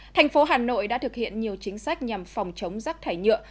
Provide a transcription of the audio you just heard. thành phố hà nội đã thực hiện nhiều chính sách nhằm phòng chống rác thải nhựa